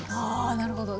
あなるほど。